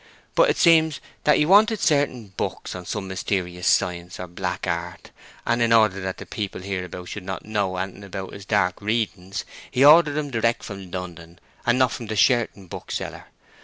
"But it seems that he wanted certain books on some mysterious science or black art, and in order that the people hereabout should not know anything about his dark readings, he ordered 'em direct from London, and not from the Sherton book seller.